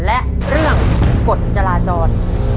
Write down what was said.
และเรื่องกฎจราจร